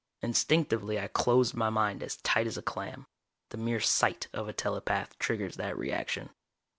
Instinctively I closed my mind as tight as a clam. The mere sight of a telepath triggers that reaction.